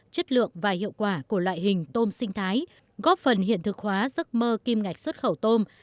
chất lượng và hiệu quả của loại hình tôm sinh thái góp phần hiện thực hóa giấc mơ kim ngạch xuất khẩu tôm